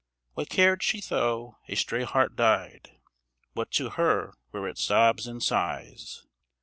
What cared she though a stray heart died What to her were its sobs and sighs.